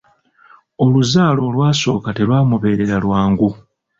Oluzaalo olwasooka telwamubeerera lwangu.